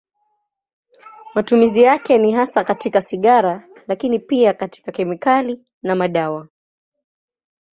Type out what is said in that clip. Matumizi yake ni hasa katika sigara, lakini pia katika kemikali na madawa.